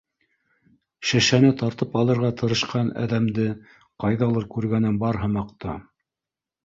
Шешәне тартып алырға тырышҡан әҙәмде ҡайҙалыр күргәнем бар һымаҡ та.